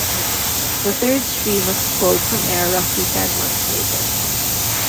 The third stream was pulled from air roughly ten months later.